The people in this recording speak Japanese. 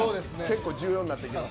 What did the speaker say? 重要になってきます。